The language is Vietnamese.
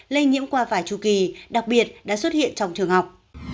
lây nhiễm qua vài chú kỳ đặc biệt đã xuất hiện trong trường học